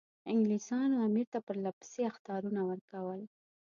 انګلیسانو امیر ته پرله پسې اخطارونه ورکول.